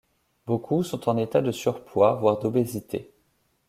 Beaucoup sont en état de surpoids, voire d'obésité.